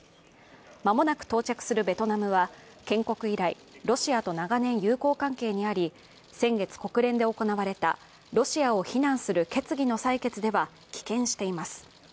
間もなく到着するベトナムは、建国以来、ロシアと長年友好関係にあり、先月、国連で行われたロシアを非難する決議の採決では棄権しています。